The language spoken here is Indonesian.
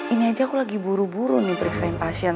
ini aja aku lagi buru buru nih periksain pasien